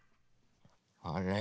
あれ？